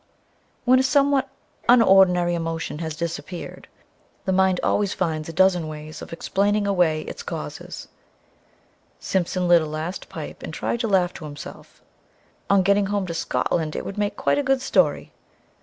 When a somewhat unordinary emotion has disappeared, the mind always finds a dozen ways of explaining away its causes ...Simpson lit a last pipe and tried to laugh to himself. On getting home to Scotland it would make quite a good story.